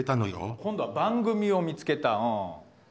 今度は番組を見つけたうん。